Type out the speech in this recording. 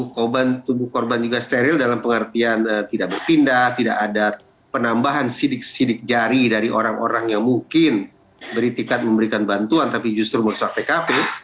tkp steril tubuh korban juga steril dalam pengertian tidak bertindak tidak ada penambahan sidik sidik jari dari orang orang yang mungkin beri tiket memberikan bantuan tapi justru merusak tkp